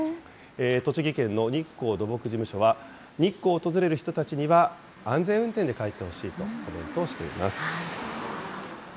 栃木県の日光土木事務所は、日光を訪れる人たちには安全運転で帰ってほしいとコメントしています。